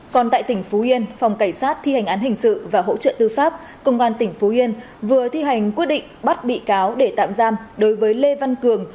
còn tại tỉnh phú yên phòng cảnh sát thi hành án hình sự và hỗ trợ tư pháp công an tỉnh phú yên vừa thi hành quyết định bắt bị cáo để tạm giam đối với lê văn cường